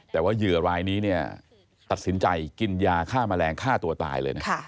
แต่ว่าเหยื่อรายนี้เนี่ยตัดสินใจกินยาฆ่าแมลงฆ่าตัวตายเลยนะ